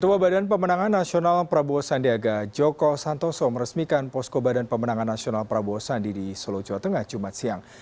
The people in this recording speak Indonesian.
tua badan pemenangan nasional prabowo sandiaga joko santoso meresmikan posko badan pemenangan nasional prabowo sandi di solo jawa tengah jumat siang